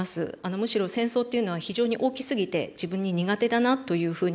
むしろ戦争っていうのは非常に大きすぎて自分に苦手だなというふうに思っていました。